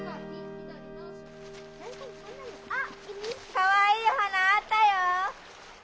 かわいいお花あったよ。